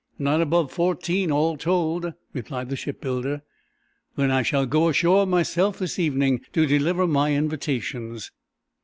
"Not above fourteen, all told," replied the shipbuilder. "Then I shall go ashore myself this evening, to deliver my invitations."